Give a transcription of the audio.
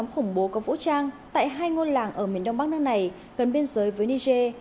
khủng bố có vũ trang tại hai ngôi làng ở miền đông bắc nước này gần biên giới với niger